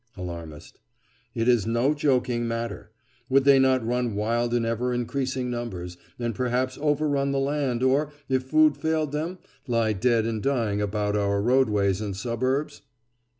ALARMIST: It is no joking matter. Would they not run wild in ever increasing numbers, and perhaps overrun the land, or, if food failed them, lie dead and dying about our roadways and suburbs?